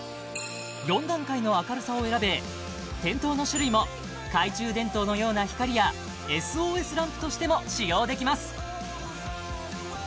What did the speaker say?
４段階の明るさを選べ点灯の種類も懐中電灯のような光やＳＯＳランプとしても使用できます